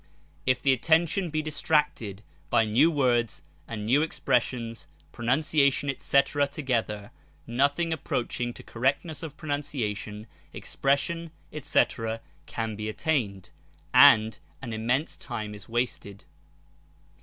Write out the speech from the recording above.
If the attention be dis tracted by new words and new expressions, pronunciation, &c„ together, nothing approaching to correctness of pronun ciation, expression, &c., can he attained, and an immense time is wasted.